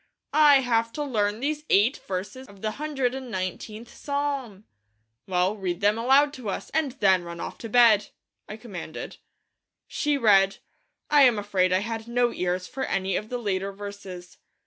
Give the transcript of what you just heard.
'I have to learn these eight verses of the hundred and nineteenth Psalm!' 'Well, read them aloud to us, and then run off to bed!' I commanded. She read. I am afraid I had no ears for any of the later verses.